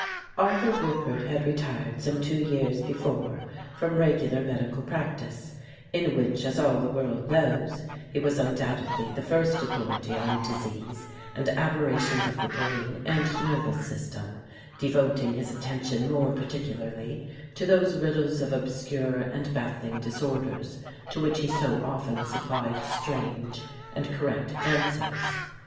Arthur Roupert had retired some two years before from regular medical practice, in which, as all the 148 The Case of Frank Hampden world knows, he was undoubtedly the first authority on disease and aberrations of the brain and nervous system, devoting his attention more particularly to those riddles of obscure and baffling disorders to which he so often supplied strange and correct answers.